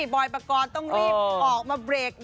บอยปกรณ์ต้องรีบออกมาเบรก